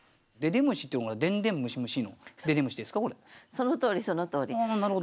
そのとおりそのとおり。